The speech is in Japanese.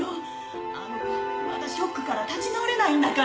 あの子まだショックから立ち直れないんだから。